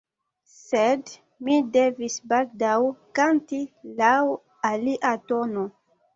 Sed mi devis baldaŭ kanti laŭ alia tono.